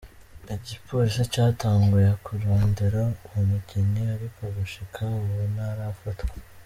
Igipolisi catanguye kurondera uwo mukinyi ariko gushika ubu ntarafatwa.